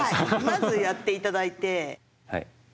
まずやっていただいて。